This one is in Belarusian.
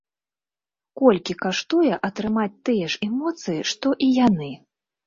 Колькі каштуе атрымаць тыя ж эмоцыі, што і яны?